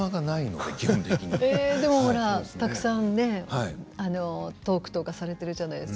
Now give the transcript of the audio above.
でもほらたくさんトークとかされていたじゃないですか。